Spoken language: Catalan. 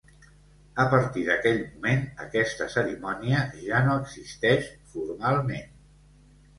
A partir d'aquell moment aquesta cerimònia ja no existeix, formalment.